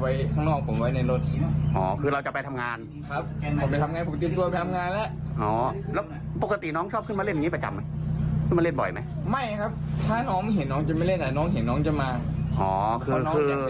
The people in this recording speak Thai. ว่าน้องเห็นน้องจะมาเพราะน้องจะไปเที่ยวฟิลวอกเรื่องความเป็น